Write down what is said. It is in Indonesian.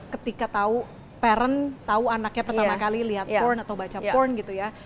ketika tahu parent tahu anaknya pertama kali lihat porn atau baca porn gitu ya